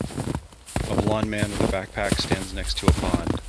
A blond man with a backpack stands next to a pond.